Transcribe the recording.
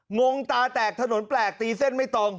งงตาแตกถนนแปลกตีเส้นไม่ตรง